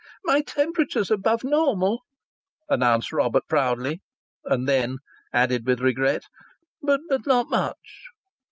"My temperature's above normal," announced Robert, proudly, and then added with regret, "but not much!"